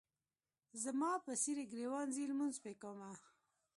زما په څېرې ګریوان ځي لمونځ پې کومه.